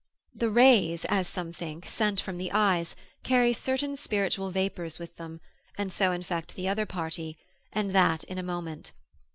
The rays, as some think, sent from the eyes, carry certain spiritual vapours with them, and so infect the other party, and that in a moment.